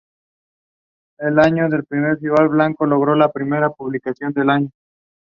Eso año, el primer filial blanco logró la primera posición en un año espectacular.